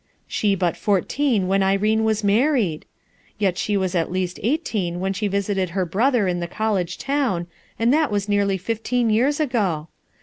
She but fourteen when Irene wa« married? Yet she was at lr;asl eigh. teen when hho vHted her brother* in the col lege town, and that was nearly fifteen years ago!